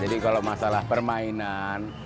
jadi kalau masalah permainan